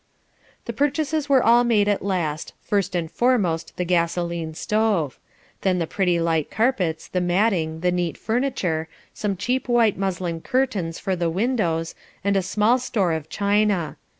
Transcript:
The purchases were all made at last, first and foremost the gasoline stove; then the pretty light carpets, the matting, the neat furniture, some cheap white muslin curtains for the windows, and a small store of china.